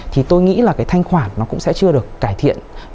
thì tôi nghĩ là cái thanh khoản nó cũng sẽ chưa được cải thiện